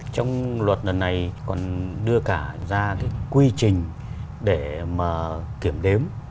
trong luật lần này còn đưa cả ra cái quy trình để mà kiểm đếm